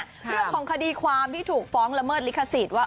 เรื่องของคดีความที่ถูกฟ้องละเมิดลิขสิทธิ์ว่า